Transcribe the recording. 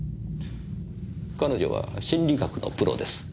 彼女は心理学のプロです。